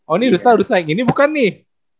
oh ini rusta rusta kayak gini bukan nih